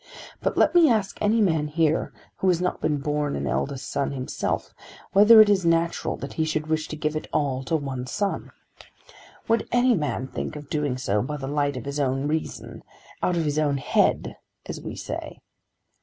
But let me ask any man here who has not been born an eldest son himself, whether it is natural that he should wish to give it all to one son. Would any man think of doing so, by the light of his own reason, out of his own head as we say?